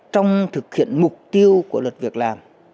trong thực hiện mục tiêu của luật việc làm